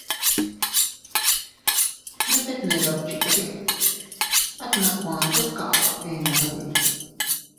Mit tet ne dukchitate, at nakuan tet kaba eenotate.